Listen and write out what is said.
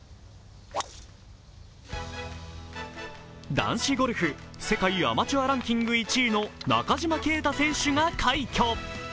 男子ゴルフ、世界アマチュアランキング１位の中島啓太選手が快挙。